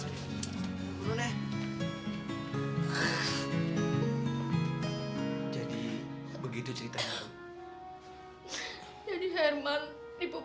saya bisa antar ke rumah saya mas